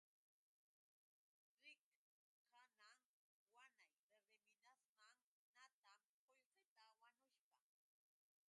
Riq kanan hanay Verdeminasman natam qullqita wanushpa.